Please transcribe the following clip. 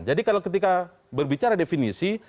jadi kalau ketika berbicara definisi